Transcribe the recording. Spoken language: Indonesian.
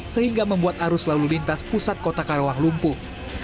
sehingga membuat arus lalu lintas pusat kota karawang lumpuh